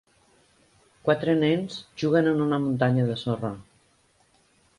Quatre nens juguen en una muntanya de sorra.